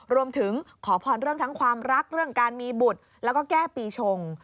รวมถึงขอพรเรื่องทั้งความรักเรื่องการมีบุตรแล้วก็แก้ปีชง